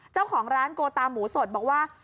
เจ้าของร้านโกตาหมูสดบอกว่า